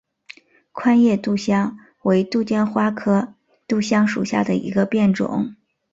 宽叶杜香为杜鹃花科杜香属下的一个变种。